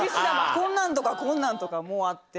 こんなんとかこんなんとかもあって。